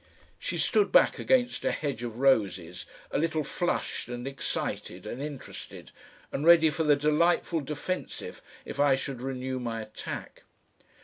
She stood back against a hedge of roses, a little flushed and excited and interested, and ready for the delightful defensive if I should renew my attack.